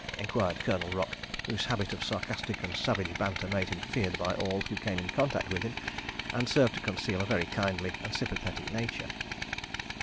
enquired Colonel Rock, whose habit of sarcastic and savage banter made him feared by all who came in contact with him, and served to conceal a very kindly and sympathetic nature.